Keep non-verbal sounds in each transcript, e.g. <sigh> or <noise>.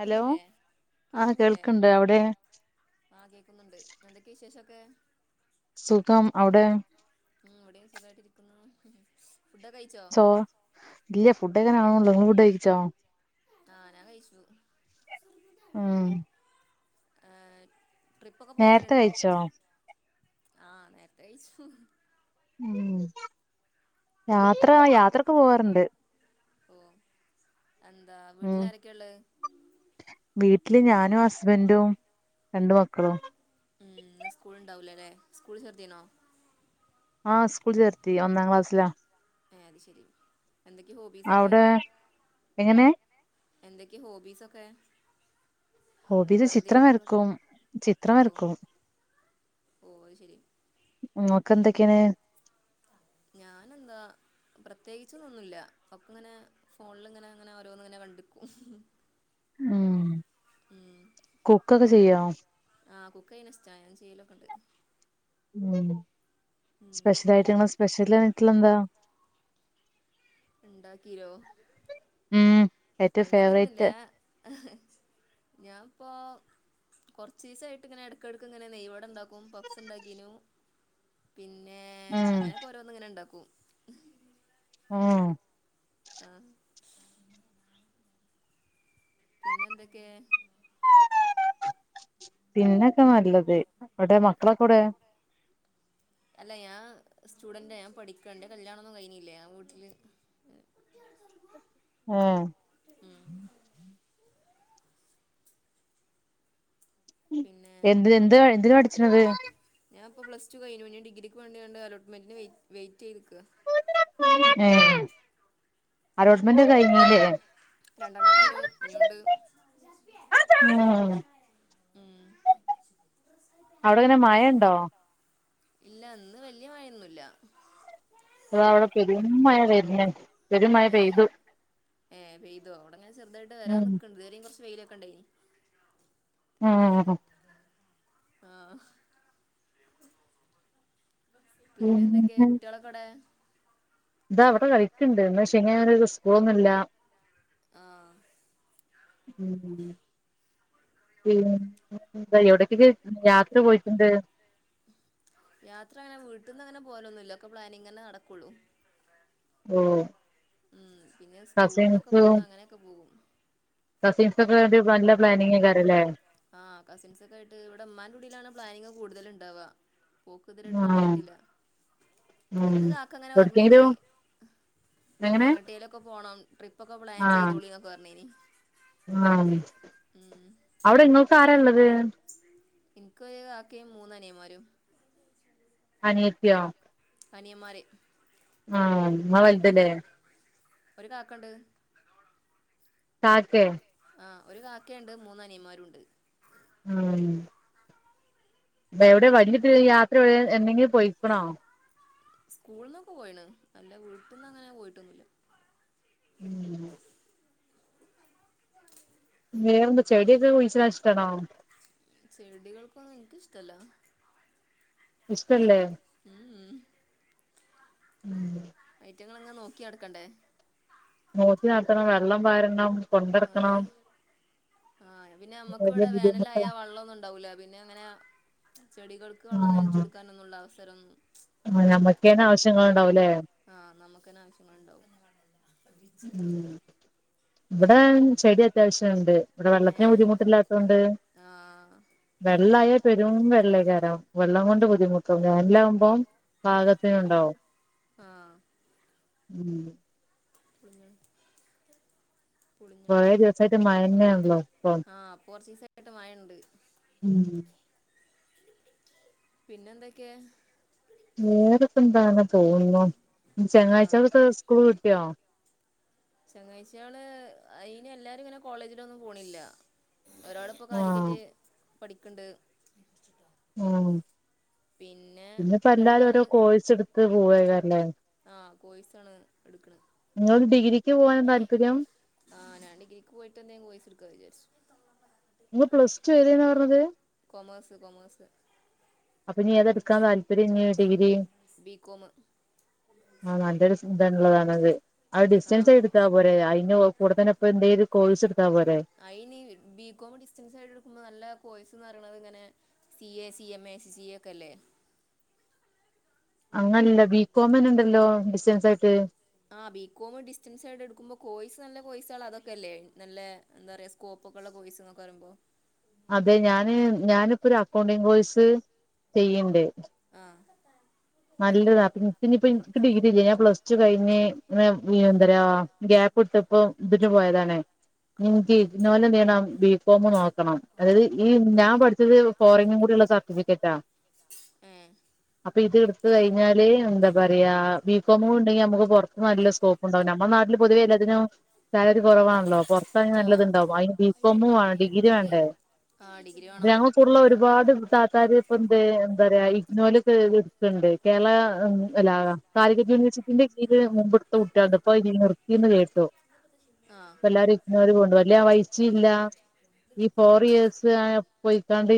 Hello ആഹ് കേക്കുന്നില്ലേ കേൾക്ക്ണ്ട് അവിടെ ആഹ് കേക്കുന്നുണ്ട് എന്തൊക്കെയ വിശേഷൊക്കെ സുഖം അവിടെ ഉം ഇവിടെയും സുഖായിട്ടിരിക്കുന്നു ഫുഡോക്കെ കഴി ചോ, ഇല്ല ഫുഡോക്കെ ഇങ്ങനെ ആവുന്നേ ഉള്ളൂ ഇങ്ങൾ ഫുഡ്‌ കഴിച്ചോ ആഹ് ഞാൻ കഴിച്ചു ആഹ് ഏഹ് ട്രിപ്പൊക്കെ നേരത്തെ പോവലുണ്ടോ കഴിച്ചോ ആഹ് നേരത്തെ കഴിച്ചു ഉം യാത്ര യാത്രക്കെ പോവാറുണ്ട് പോ എന്ത ഉം വീട്ടിൽാരൊക്കെ ഉള്ളത് വീട്ടില് ഞാനും ഹസ്ബന്റും രണ്ട് മക്കളും ഉം ഇന്ന് സ്കൂള് ഇണ്ടാവൂലല്ലേ സ്കൂളിൽ ചേർത്തിനോ ആഹ് സ്കൂൾ ചേർത്തി ഒന്നാം ക്ലാസ്സിലാ ഏഹ് അത് ശെരി എന്തൊക്കെയാ ഹോബീസൊക്കെ? അവിടെ എങ്ങനെ എങ്ങനെ എന്തൊക്കെ ഹോബിസൊക്കേ ഹോബിസ് ചിത്ര വരക്കും ചിത്രം വരക്കും ഓഹ അത് ശരി ഇങ്ങോക്ക് എന്തൊക്കേണ് ഞാനെന്താ പ്രത്യേകിച്ച്ന്ന് ഒന്നുല്ല ഒക്കെങ്ങനേ ഫോണിൽ ഇങ്ങനെ അങ്ങനെ ഓരോന്ന ഇങ്ങനെ കണ്ടിക്കും ഉം കുക്കൊക്കെ ചെയ്യോ ആഹ് കുക്കയിണ് ഇഷ്ട ഞൻ ചെയ്യലൊക്കെ ഉണ്ട് ഉം ഉം സ്പെഷ്യലായ്റ്റ് ങ്ങ്ളെ സ്പെഷ്യലായ്ട്ട്ള്ളന്താ ഉം ഇണ്ടാക്കീലോ ഉം ഏറ്റവും അങ്ങനെയൊന്നുല്ലാ ഫേവറേറ്റ് ഞാപ്പോം കൊർചീസായ്ട്ട് ഇങ്ങനെ എട്ക്കട്ക്ക് ഇങ്ങനെ നെയ് വടണ്ടാക്കും പഫ്സ് ണ്ടാക്കീനു പിന്നെ ഉം അങ്ങനെയക്കെ ഓരോന്ന ഇങ്ങനെണ്ടാക്കും ഏഹ് ആഹ്. പിന്നെന്തൊക്കേ പിന്നക്കെ മതി ഗൾത് എവ്ടെ മക്കളൊക്കൊവ്ടേ അല്ല ഞാ സ്റ്റുഡൻ്റ ഞാൻ പഠിക്കണ്ട് ഇൻ്റെ കല്യാണൊന്നും കഴിഞ്ഞില്ല ഞാൻ വീട്ടില് ഏഹ് ഉം പിന്നെ എന്ത് എന്ത് എന്തിനാ പഠിച്ച്ണത് ഞാൻപ്പോ പ്ലസ്റ്റു കയിഞ്ഞു ഞ്ഞി ഡിഗ്രിക്ക് വേണ്ടിങ്ങാട് അലോട്ട്മെൻ്റ്ന് വൈ വൈറ്റെയ്ത് ക്കാ ഏ അലോട്ട്മെന്റൊക് കഴിഞ്ഞീലേ രണ്ടെണ്ണം കഴഞ്ഞു ഇഞ്ഞുണ്ട് ഉം ഉം അവിടെങ്ങനെ മഴണ്ടോ ഇല്ല ഇന്ന് വല്യ മഴയൊന്നുല്ല <unintelligible> പെരും മയ <unintelligible> ഏഹ ഏഹ പെയ്തോ അവിടെങ്ങനെ ചെറുതായിട്ട് വരാൻ ഉം നിക്കണ്ട് ഇത് വേരെയും കുറച്ച് വെയിലൊക്കെ ഉണ്ടേനി ആഹ് ആഹ് പിന്നെ എന്തൊക്കെയ കുട്ടികളൊക്കെ എവടെ ഇതാ വ്ടെ കളിക്ക്ണ്ട് ഇന്ന് ശനി ആയോണ്ട് ഓൽക്ക് സ്കൂളൊന്നുല്ല്യാ ആഹ് ഉം <unintelligible> യാത്ര പോയിട്ട്ണ്ട്. യാത്ര അങ്ങനെ വീട്ടീന്ന് അങ്ങനെ പോലൊന്നുല്ല ഒക്കെ പ്ലാനിങ്ങെനെ നടക്കൊള്ളൂ ഓഹ് ഓഹ് ഓഹ് ഉം പിന്നെ സ്കൂൾന്നൊക്കെ പോണ അങ്ങനെക്കെ പോകും. കസീൻസ് ഒക്കെ വേണ്ടി നല്ല പ്ലാനിങ്ങേയ്ക്കാരം ലേ ആഹ് കസിൻസ ഒക്കെ ആയിട്ട് ഇവിടെ മ്മൻ്റെ കൂടിലാണ് പ്ലാനിങ്ങ് കൂടുതല ഉണ്ടാവുക പോക് തെരായിട്ട് ആഹ് നടന്നിട്ടില്ല, ഉം ഇന്ന് കാക്കങ്ങനെ പർ ഞ്ഞിനി എവിടക്കെങ്കിലും - എന്ത എങ്ങനെ എങ്ങട്ടേലൊക്കെ പോണം ട്രിപ്പൊക്കെ പ്ലാൻ ചെയ്തോളിന്നൊക്കെ പർഞ്ഞിനി ആന്ന് അവ്ടെ ങ്ങൾക്കാരാള്ളത് ഇൻക്കൊയു കാക്കയും മൂന്നനിയന്മാരും. അനിയത്തിയോ അനിയന്മാര് ആഹ് ഉമ്മ വലുതല്ലേ ഒരു കാക്കണ്ട് താത്തേ അഹ് ഒരു കാക്കയുണ്ട് മൂന്നനിയന്മാരുമുണ്ട് ആഹ് പ്പോ വിടെയാ വലിയത്തിൽ യാത്ര എന്തെങ്കിലും പോയിക്കണോ? സ്കൂളിന് പോയണ് അല്ല വീട്ടിന്ന് അങ്ങനെ പോയിട്ടൊന്നുമില്ല <inaudible> വേറെന്ത ചെടിയൊക്കെ കുയിച്ചിടാൻ ഇഷ്ടാണോ? ചെടികൾക്കൊന്നും എനിക്കിഷ്ടല്ല ഇഷ്ടല്ലേ? ഉംഉം ഉം ഐറ്റങ്ങളെങ്ങനെ നോക്കിനടക്കെണ്ടേ നോക്കി നടതണം വെള്ളം വാരണം കൊണ്ടടക്കണം ആഹ് പിന്നെ മ്മക്ക് വലിയ ഇവിടെ വേനലായ ബുദ്ധിമുട്ടാ വെള്ളമൊന്നും ഉണ്ടാവൂല പിന്നെ എങ്ങനാ ചെടികൾക്ക് വെള്ളം നനച്ചെടുക്കാനൊന്നുള്ള അവസരന്നും അഹ നമ്മുക്കെന്ന ആവശ്യങ്ങൾ ഉണ്ടാവൂലേ ആഹ് നമുക്കന്നെ ആവശ്യങ്ങളുണ്ടാവും ഉം ഇവിടെ ചെടി അത്യാവശ്യണ്ട് ഇവിടെ വെള്ളത്തിന് ഏഹ് ബുദ്ധിമുട്ടില്ലാത്തോണ്ട് ആഹ് വെള്ളായാ പെരും വെള്ളകാരം വെള്ളം കൊണ്ട് ബുദ്ധിമുട്ടും വേനലാകുമ്പോം പാകത്തിനുണ്ടാവും ആഹ് ഉം പിന്നെ കൊറേ ദിവസായിട്ട് മഴന്നെയാണല്ലോ ഇപ്പം <inaudible> ആ ഇപ്പൊറച്ചീസായിട്ട് മഴണ്ട് ഉം പിന്നെന്തൊക്കെ മൂടിപ്പന്താ അങ്ങനെ പോകുന്നു. ആഹ് ചെങ്ങായിച്ചാൾക്കക്കെ സ്കൂൾ കിട്ടിയോ ചെങ്ങായ്‌ചെല് അയ്ന് എല്ലാരും ഇങ്ങനെ കോളേജിലൊന്നും പോണില്ല ഒരാളിപ്പോ ആഹ് കാലിക്കറ്റ് പഠിക്കണ്ട് ഉമ് പിന്നെ ഇന്നിപ്പോ എല്ലാരും രണ്ടാള് ഓരോ കോഴ്സെടുത്ത് പോവകാരല്ലേ ആ കോയ്സാണ് എടുക്കന് നിങ്ങൾക്ക് ഡിഗ്രിക്കു പോവാനാ താല്പര്യം അഹ ഞാൻ ഡിഗ്രിക്കു പോയിട്ടെന്നെ കോഴ്സെടുക്കാ വിചാരിച്ചു നിങ്ങൾ പ്ലസ് ടു ഏതനാ പറഞ്ഞത് കൊമേസ് കൊമേസ് അപ്പൊനീ ഏതെടുക്കാൻ താല്പര്യം ഇഞ് ഡിഗ്രി ബികോമ് ആഹ നല്ലൊരു ന്തുള്ളതാണത് അത് ഡിസ്റ്റൻസ് ആഹ് എടുത്താ പോരെ ഐന് കൂടെതന്നെ ഇപ്പന്തേലും കോഴ്സെടുത്താപോരെ അയിന് ബികോം ഡിസ്റ്റൻസ് ആയിട്ട് എടുക്കുമ്പോ നല്ല കോയ്സന്ന്പറയണതിഇങ്ങനെ C A, C M A, A C C A ക്കല്ലെ അങ്ങനെല്ല ബി കോം ന്നെണ്ടല്ലോ ഡിസറ്റൻ അഹ ബികോം ഡിസ്റ്റൻസ് ആയിട്ട് എടുക്കുമ്പോ കോയ്സ് നല്ല കോയ്സുകളതൊക്കെയല്ലേ നല്ല എന്താറയാ സ്കോപ്പൊക്കെള്ള കോയിസ്ന്നൊക്കെ പറിമ്പോ അതെ ഞാന് ഞാനിപ്പോ ഒരു അക്കൗണ്ടിങ് കോഴ്സ് ചെയ്യ്ണ്ട് ആ നല്ലതാ പ്പനിക്കിപ്പ നിക്ക് ഡിഗ്രിയില്ല ഞാൻ പ്ലസ് ടു കഴിഞ്ഞ് ന്തരാ ഗ്യാപ്പിട്ടിപ്പം ഇതിനു പോയതാണേ ഇഞ്ഞിനിക്ക് ഇഗ്നോയിൽ എന്തു ചെയ്യണം ബികോം നോക്കണം അതായത് ഈ ഞാൻ പഠിച്ചത് ഫോറിങ്ങും കൂടിള്ള സർട്ടിഫിക്കറ്റാ ഏ <unintelligible> ഇത്കഴിഞ്ഞാല് എന്താ പറയാ ബികോമൂടെണ്ടെങ്കി നമ്മക്ക് പൊറത്ത് നല്ല സ്കോപ്പ് ഉണ്ടാകും നമ്മുടെ നാട്ടില് പൊതുവെ എല്ലാതിനും സാലറി കുറവാണല്ലോ പുറത്താ ആ നല്ലത്ണ്ടാവും അതിന് ബികോമ വേ ഡിഗ്രി വേണ്ടേ ആ ഡിഗ്രി അ വേണം ഞങ്ങൾ കൂടുള്ള ഒരുപാട് താത്താാര് ഇപ്പ എന്ത്‌ എന്താ പറയാ ഇഗ്നോലൊക്കെ ണ്ട് കേരള ല്ല കാലിക്കറ്റ്‌ യൂണിവേഴ്സിറ്റിന്റെ കീഴില് മുമ്പെടുത്ത കുട്ടിയാള് ഇണ്ട് ഇതി ഇയ്യോന്ന് കേട്ടോ ആ എല്ലാരും ഇഗ്നോപോണ്ട് വല്ല പൈസില്ല ഈ ഫോർ ഇയേഴസ് ആ പോയിക്കാണ്ട്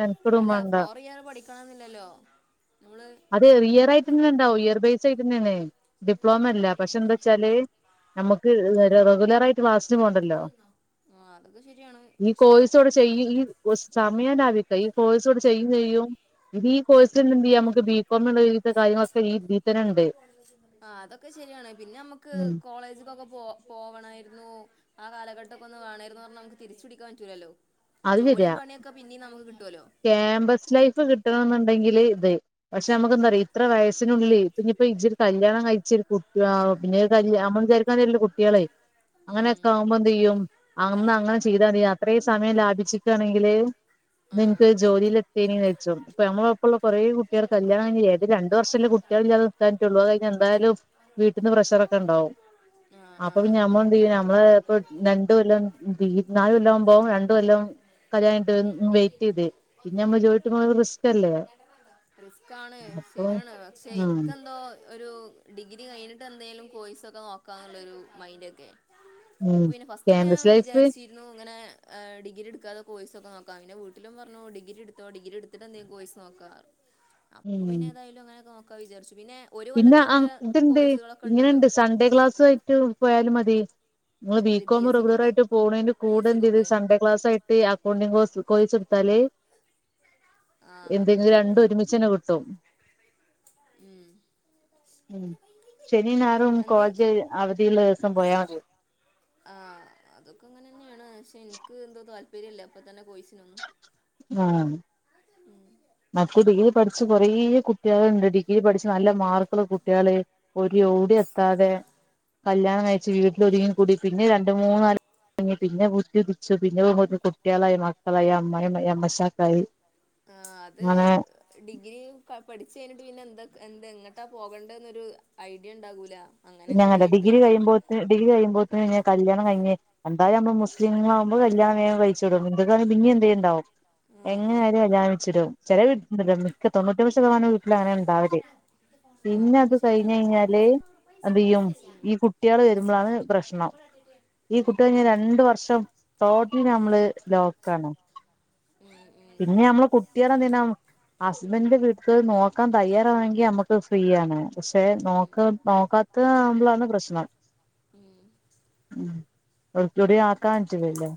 മെനക്കെടും അല്ല വേണ്ട ഫോറി ഇയർ പഠിക്കണെന്നില്ലല്ലോ നമ്മള് അതെ ഇയർ ആയിട്ട്ന്നണ്ടാവും ഇയർ ബേസ് ആയിട്ടന്നാണ് ഡിപ്ലോമ അല്ല പക്ഷെ എന്താ വച്ചാല് നമുക്ക് റെഗുലർ ആയിട്ട് ഫാസ്റ്റ് പോണ്ടല്ലോ ആ അതൊക്കെ ശരിയാണ് ഈ പക്ഷെ കോഴിസ് അ ചെയ്യ ഈ സമയം ലാഭിക്ക ഈ കോഴ്സ് കൂടെ ചെയ്യു ചെയ്യും ഇനി ഈ കോഴ്സി എന്ത് ചെയ്യ നമക്ക് ബി കോം ഉള്ള ഒര് വിധ കാര്യങ്ങളൊക്കെ ഇതീത്തനുണ്ട് ആ അതൊക്കെ ശരിയാണ് പിന്നെ നമ്മുക്ക് ഉം കോളേജ്ക്കൊക്കെ പോ പോവണായിരുന്നു ആ കാലഘട്ടക്കെ ഒന്ന് വേണമായിരുന്നു പറഞ്ഞാ നമുക്ക് തിരിച്ചു പിടിക്കാൻ പറ്റൂലല്ലോ അത് ജോലിം ശരിയാ പണിയൊക്കെ പിന്നെയും നമുക്ക് കിട്ടുവല്ലോ ക്യാമ്പസ് ലൈഫ് കിട്ടണന്നുണ്ടെങ്കില് ഇത് പക്ഷെ നമുക്ക് എന്താറിയോ ഇത്ര വയസ്സിനുള്ളിൽ ഇപ്പൊ ഇജൊരു കല്യാണം കഴിച്ച കുട്ടി പിന്നെ കല് വിചാരിക്കണ മാതരില്ലല്ലോ കുട്ടിയാള് അങ്ങനെയെക്കെ ഉം ആവ്മ്പന്തെയ്യും അന്ന് അങ്ങനെ ചെയ്താല് അത്രയും സമയം ലാഭി ച്ച്ട്ടാണെങ്കില് ഇന്ന് ൻക്ക് ജോലീല് എത്തീനിചാര്ച്ചും പ്പ ഞമ്മളെപ്പള്ള കൊറേ കു ട്ട്യാള് കല്യാണം കയ്ഞ്ഞ് ഏത് രണ്ട് വർഷല്ലെ കുട്ട്യാളില്ലാതെ നിക്കാൻറ്റൊള്ളൂ അത് കയ്ഞ്ഞാ എന്തായാലും വീ ട്ട്ന്ന് പ്രഷറൊക്കെണ്ടാവും ആ അപ്പൊ പിന്നെ ഞമ്മളെന്തെയ്യും ആ ഞമ്മള് ഇപ്പം ആ രണ്ട് കൊല്ലം ഈ നാല് കൊല്ലംവ്മ്പോ രണ്ട് കൊല്ലം കല്യാണം കഴിഞ്ഞിട്ട് വെയിറ്റ് ചെയ്ത് പിന്നെ നമ്മള് ജോലിക്ക് പോണത് റിസ്ക് അല്ലേ <unintelligible> റിസ്ക്കാണ് അപ്പൊ ശെര്യാണ് പക്ഷെ ഉം ഇൻക്കെന്നോ ഒരു ഡിഗ്രി കയ്ഞ്ഞിട്ട് എന്തേലും കോഴ്സാെക്കെ നോക്കാന്ന്ള്ളെരു മൈൻഡാെക്കെ അപ്പൊ ഉം പിന്നെ ഫസ്റ്റ് ഒക്കെ ഞാൻ ക്യാമ്പസ് ലൈഫ് വിചാര്ച്ചീര്ന്നു ഇങ്ങനെ ഏഹ് ഡിഗ്രിട്ക്കാതെ കോഴ്സാെക്കെ നാേ ക്കാന്ന് പിന്നെ വീട്ട്ലും പർഞ്ഞു ഡിഗ്രിട്ത്തോ ഡിഗിട്ത്ത്ട്ടെന്തേലും കോയ്സ് നോക്കാർ അപ്പൊ ഉം പിന്നെ ഏതായാലും അങ്ങനാെക്കെ നോക്കാ വിചാര്ച്ചു പിന്നെ ഒരു പിന്നെ കൊല്ലത്തിന്റെ ആഹ് ഇത്ണ്ട് കോഴ്സുകളൊക്കെ ഉണ്ടല്ലോ ഇങ്ങനെണ്ട് സൺഡേ ക്ലാസു ആയ്ട്ട് പോയാലും മതി ഇങ്ങള് എന്ത് ബി ബീകോമ് എസ് സിക്കൊക്കെ റെഗുലറായ്ട്ട് പോക്ണേന്റെ പി എസ് കൂടെ എന്തെയ്ത് സിക്കൊക്കെ സൺഡേ ക്ലാസായിട്ട് അക്കൗണ്ടിങ്ങ് കോഴ്സ് കോഴിസ്ട്ത്താല് ആ അതൊക്കെ എന്തെങ്കിലും രണ്ട് ശരിയാണ് ഒരുമിച്ചെന്നെ കിട്ടും ഉം ഉം ശനിം ഞായറും എന്തോ കോളജ് അവധിള്ളെസം പോയാ മത്യോ ആഹ് അതൊക്കെ അങ്ങനെ തന്നെയാണ് ക്ഷെ ൻക്ക് എന്തോ താല്പര്യല്ല ഇപ്പൊ തന്നെ പോയ്സ്നെ ആഹ് ഉം അപ്പ ഡിഗ്രി പഠിച്ച കൊറേ കുട്ട്യേള്ണ്ട് ഡിഗ്രി പഠിച്ച് നല്ല മാർക്ക്ള്ള കുട്ട്യേള് ഒരു യൊവ്ടി എത്താതെ കല്യാണം കയ്ച്ച് വീട്ടിലൊത്ങ്ങി കൂടി പിന്നെ രണ്ട് മൂന്നാല് പിന്നെ ബുദ്ധി ഉതിച്ചു പിന്നെ <unintelligible> കുട്ട്യാളായ് മക്കളായ് അമ്മയ്മ്മായ് അമ്മാേശക്കായി ആഹ് അത് ഡിഗ്രി ക പഠിച്ച് കയ്ഞ്ഞിട്ട് പിന്നെ എന്താ എന്താ എങ്ങട്ടാ പോകേണ്ടെന്നെരു ഐഡിയണ്ടാകൂലാ ഞാനോ ഡിഗ്രി കഴിയുമ്പോത്ത്ന് ഡിഗി കഴിയ്മ്പോത്ത്ന് ഞ്ഞ് കല്യാണം കയ്ഞ്ഞ് എന്തായും നമ്മൾ മുസ്ലിങ്ങളാവുമ്പോ കല്യാണം വേഗം കയ്ച്ചിടും ഇന്ദുക്കളാണെ പിന്നിം എന്തേണ്ടാവും ആഹ് എങ്ങനെ ആഹ് ആയാലും കല്യാണം കയ്ച്ച്ടും ചെല വീ ണ്ടല്ലോ മിക്ക തൊണ്ണൂറ്റൊമ്പത് ശതമാനും തങ്ങനെ ണ്ടാവല് ആഹ് പിന്നെ അത് അതൊക്കെ ശരിയാണ് കയ്ഞ്ഞയ്ഞ്ഞാല് അഎന്തെയ്യും ഈ കുട്ട്യാള് വരുമ്പളാണ് പ്രശ്നം <unintelligible> ഈ കുട്ട് കയ്ഞ്ഞാ രണ്ട് വർഷം ടോട്ട്ലി ഞമ്മള് ലോക്കണ് ഉം ഉം പിന്നെ മ്മളെ കു ന്തിനാ ഹസ്ബന്റ് വീട് നോക്കാൻ തെയ്യാറാണെങ്കിൽ നമ്മക്ക് ഫ്രീ ആണ് പക്ഷെ ഉം നോക്ക് ഉം നോക്കാത്തതാവുമ്പോളാണ് പ്രശ്നം ഉം ഓട്ടിടോറിയം ആക്കാൻ പറ്റൂലല്ലോ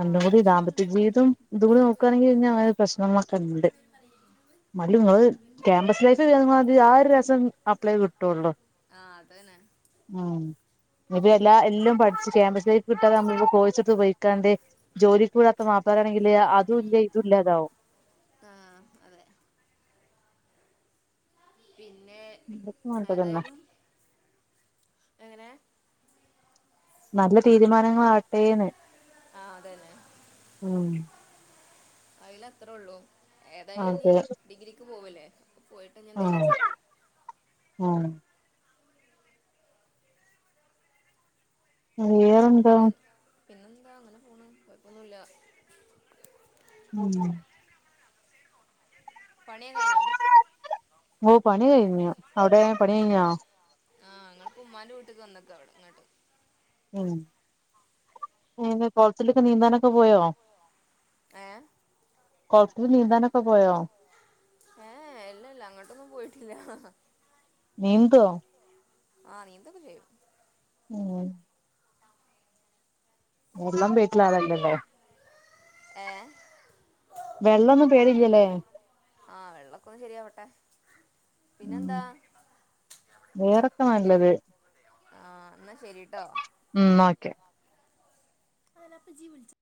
ആഹ് കൂടി അതൊക്കെ ശരിയാണ് ദാമ്പത്യജീവിതോം രണ്ടുകൂടി ദാമ്പത്യജീവിതും തുകൂടി നോക്കാണെങ്കി പിന്നങ്ങനെ പ്രശ്നങ്ങളൊക്കണ്ട്. നല്ലത്. മല്ലു ങ്ങള് ക്യാമ്പസിലേക്ക് കേന്ന മാതിരി ആ ഒരസം അപ്ലേ കിട്ടൊള്ളൂ. ആഹ് അതെന്നെ ഉം ഇത് എല്ലാ എല്ലും പഠിച്ച് ക്യാമ്പസിലേക്ക് കിട്ടാതെ നമ്മള് കോയിസെടുത്ത് പോയിക്കാണ്ട് ജോലിക് വിടാത്ത മാപ്പള്ളരാണെങ്കിൽ അതുല്ല ഇതും ഇല്ലാതാവും. ആഹ് അതെ. പിന്നെ ഇതൊക്കെ നല്ലതന്നെ ഏതായാലും എങ്ങനെ നല്ല തീരുമാനങ്ങളാവട്ടെന്ന് ആഹ് അതന്നെ അയിലത്രേള്ളൂ ഏതായാലും നീ അതെ ഡിഗ്രിക്ക് പോവല്ലേ അപ്പൊ പോയിട്ട് ന്നി എന്തേലും ചെയ്യ ഉമ് വേറെന്താ പിന്നെ പിന്നെന്താ അങ്ങനെ പോണ് കൊയ്പ്പൊന്നുല്ല. ഉം. പണിയോക്ക കയിഞ്ഞോ ഓ പണി കഴിഞ്ഞ്. അവിടെ പണി കയിഞ്ഞോ ആഹ് ങ്ങൾ പ്പൊ ഉമ്മാന്റെ വീട്ട്ക്ക് വന്നക്ക വടെ ഉം പിന്നെ കൊൾത്തിലൊക്കെ നീന്താനൊക്കെ പോയോ? ഏ കൊളത്തി നീന്താനോക്കെ പോയോ ഏഹ് എ ഇല്ല ല്ല അങ്ങട്ടൊന്നും പോയിട്ടില്ല. നീന്തോ ആഹ് നീന്തൊക്കെ ചെയ്യും ഉം എല്ലം ബീട്ട്ലാണല്ല ലേ. ഏ വെള്ളൊന്നും പേടില്ലല്ലേ ആഹ് വെള്ളൊക്കൊ ശര്യാവട്ടെ. ഉം വേറൊക്ക നല്ലത്. ആഹ് ന്നാ ശരിട്ടോ. ഉം ഓക്കെ. <unintelligible>